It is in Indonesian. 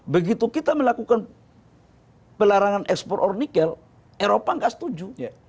begitu kita melakukan pelarangan ekspor or nikel eropa nggak setuju